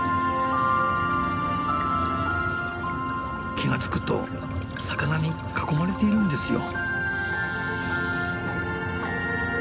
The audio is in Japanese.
気が付くと魚に囲まれているんですよ。